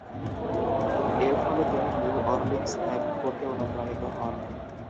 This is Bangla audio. এর ফলে তিনি নিউ অরলিন্স ত্যাগ করতে অনুপ্রাণিত হন।